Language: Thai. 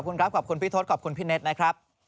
คุณครับขอบคุณพี่ทศขอบคุณพี่เน็ตนะครับ